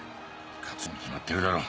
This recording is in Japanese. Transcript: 勝つに決まってるだろ。